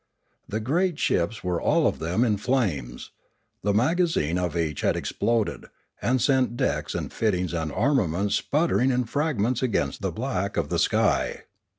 The great ships were all of them in flames; the magazine of each had exploded, and sent decks and fittings and armaments sputtering in frag ments against the black of the sky.